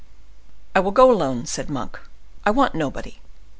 "I will go alone," said Monk; "I want nobody.